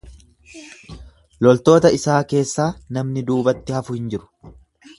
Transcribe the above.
Loltoota isaa keessaa namni duubatti hafu hin jiru.